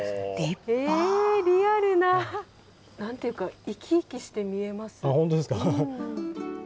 リアルな。なんていうか生き生きして見えます。